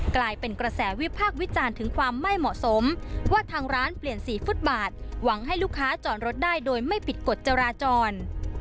กลายเป็นกระแสวิพากษ์วิจารณ์ถึงความไม่เหมาะสมว่าทางร้านเปลี่ยนสีฟุตบาทหวังให้ลูกค้าจอดรถได้โดยไม่ผิดกฎจราจร